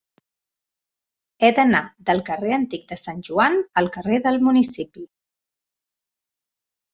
He d'anar del carrer Antic de Sant Joan al carrer del Municipi.